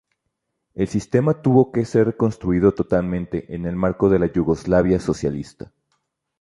El sistema tuvo que ser reconstruido totalmente en el marco de la Yugoslavia Socialista.